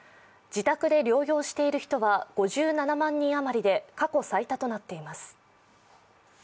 自宅で療養している人は５７万人余りで過去最多となっています。